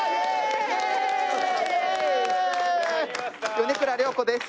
米倉涼子です。